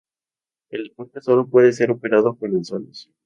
El deporte solo puede ser operado con anzuelos.